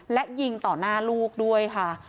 และยิงต่อหน้าลูกด้วยค่ะ